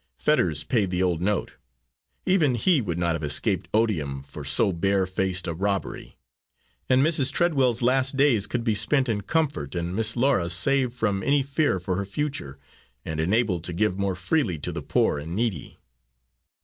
Fetters paid the old note even he would not have escaped odium for so bare faced a robbery and Mrs. Treadwell's last days could be spent in comfort and Miss Laura saved from any fear for her future, and enabled to give more freely to the poor and needy.